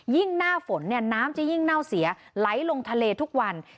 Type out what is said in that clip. ยิ่งหน้าฝนน้ำจะยิ่งเน่าเสียไหลลงทะเลทุกวัน